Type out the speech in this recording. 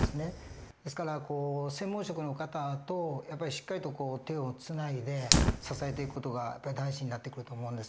ですから専門職の方とやっぱりしっかりと手をつないで支えていく事が大事になってくると思うんです。